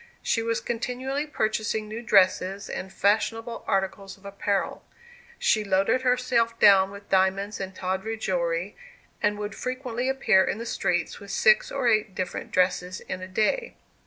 She was continually purchasing new dresses and fashionable articles of apparel. She loaded herself down with diamonds and tawdry jewelry, and would frequently appear in the streets with six or eight different dresses in a day.